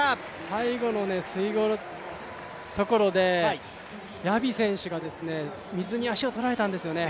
最後の水濠のところでヤビ選手が水に足を取られたんですよね。